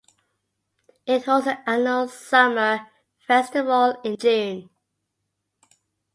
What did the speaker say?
It holds an annual summer festival in June.